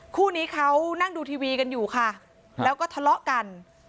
คู่นี้เขานั่งดูทีวีกันอยู่ค่ะแล้วก็ทะเลาะกัน